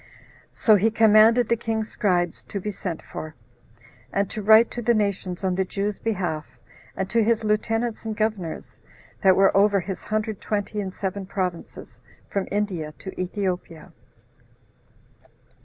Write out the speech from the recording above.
So he commanded the king's scribes to be sent for, and to write to the nations, on the Jews' behalf, and to his lieutenants and governors, that were over his hundred twenty and seven provinces, from India to Ethiopia.